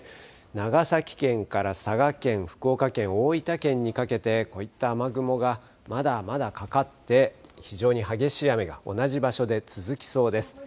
長崎県から佐賀県、福岡県、大分県にかけてこういった雨雲がまだまだかかって、非常に激しい雨が同じ場所で続きそうです。